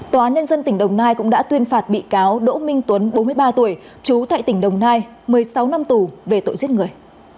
tòa nhân dân tỉnh đồng nai cũng đã tuyên phạt bị cáo đỗ minh tuấn bốn mươi ba tuổi trú tại tỉnh đồng nai một mươi sáu năm tù về tội giết người